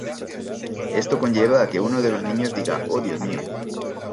Esto conlleva a que uno de los niños diga: "¡Oh Dios mío!